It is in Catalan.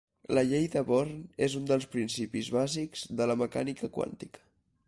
La llei de Born és un dels principis bàsics de la mecànica quàntica.